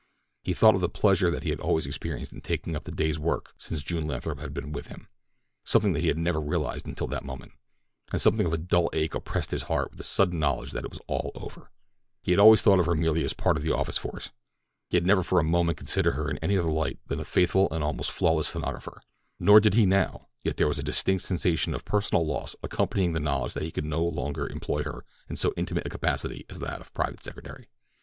He thought of the pleasure that he had always experienced in taking up the day's work since June Lathrop had been with him—something that he had never realized until that moment—and something of a dull ache oppressed his heart with the sudden knowledge that it was all over. He had always thought of her merely as a part of the office force. He had never for a moment considered her in any other light than a faithful and almost flawless stenographer—nor did he now; yet there was a distinct sensation of personal loss accompanying the knowledge that he could now no longer employ her in so intimate a capacity as that of private secretary.